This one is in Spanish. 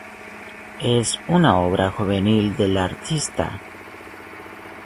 Es una obra juvenil del artista.